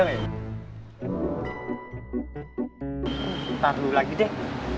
ntar dulu lagi deh